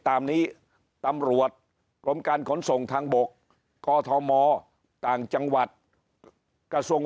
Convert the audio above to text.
ตามนี้ตำรวจกรมการขนส่งทางบกอทมต่างจังหวัดกระทรวง